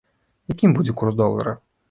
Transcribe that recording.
Якім будзе курс долара?